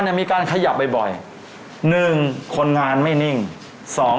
โอ้โฮ